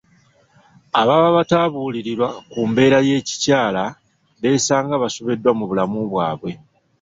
Ababa batabuulirirwa ku mbeera ey'ekikyala beesanga basobeddwa mu bulamu bwabwe.